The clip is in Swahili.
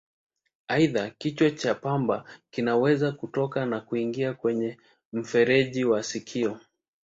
Aidha, kichwa cha pamba kinaweza kutoka na kuingia kwenye mfereji wa sikio.